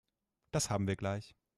Das haben wir gleich.